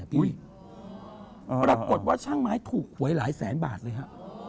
ปรากฏว่าช่างไม้ถูกหวยหลายแสนบาทเลยฮะ